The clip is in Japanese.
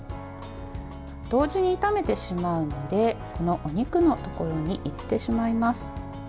同時に炒めてしまうのでお肉のところにいってしまいます。